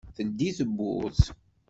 Teldi tewwurt.